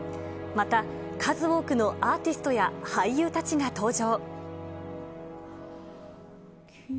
また、数多くのアーティストや俳優たちが登場。